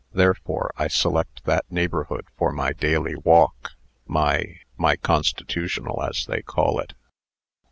Therefore I select that neighborhood for my daily walk my my 'constitutional,' as they call it.